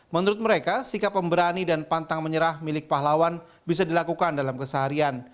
menurut mereka sikap pemberani dan pantang menyerah milik pahlawan bisa dilakukan dalam keseharian